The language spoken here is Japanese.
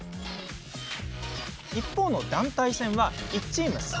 一方の団体戦は１チーム３人。